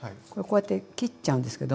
これこうやって切っちゃうんです。